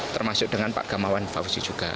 termasuk dengan pak gamawan fauzi juga